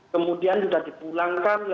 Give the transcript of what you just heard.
kemudian sudah dipulangkan